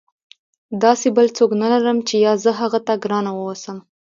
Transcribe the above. داسې بل څوک نه لرم چې یا زه هغه ته ګرانه واوسم.